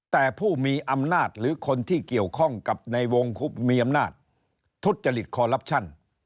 แต่ผู้มีอำนาจหรือคนที่เกี่ยวข้องกับในวงมีอำนาจทุจริตคอลลับชั่น